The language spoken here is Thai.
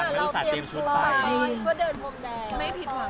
มีพิษภัณฑ์เราอุตส่าห์เตรียมชุดไป